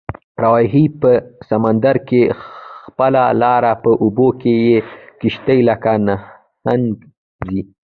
راوهي په سمندر کې خپله لاره، په اوبو کې یې کشتۍ لکه نهنګ ځي